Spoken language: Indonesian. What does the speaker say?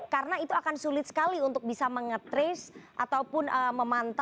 karena itu akan sulit sekali untuk bisa mengetrace ataupun memantul